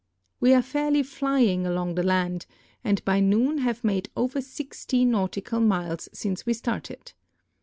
We are fairly flying along the land, and by noon have made over GO nautical miles since we started.